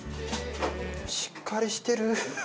しっかりしてる。